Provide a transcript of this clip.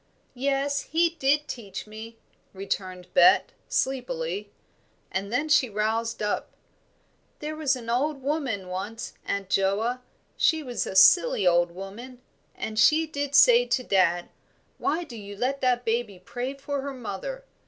"Yes, he did teach me," returned Bet, sleepily; and then she roused up. "There was an old woman once, Aunt Joa, she was a silly old woman, and she did say to dad, 'Why do you let that baby pray for her mother?